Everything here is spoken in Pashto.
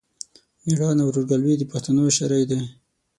مېړانه او ورورګلوي د پښتنو شری دی.